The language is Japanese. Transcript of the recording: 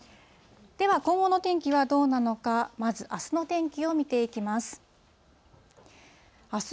では、今後の天気はどうなのか、まずあすの天気を見ていきます。